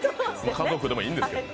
家族でもいいんですけど。